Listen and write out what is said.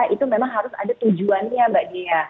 itu memang harus ada tujuannya mbak dea